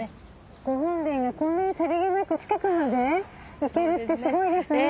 御本殿がこんなにさりげなく近くまで行けるってすごいですね。